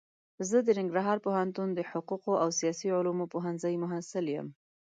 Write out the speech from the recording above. زه د ننګرهار پوهنتون د حقوقو او سیاسي علومو پوهنځي محصل يم.